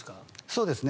そうですね。